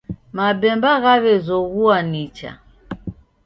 Mapemba ghawezoghua nicha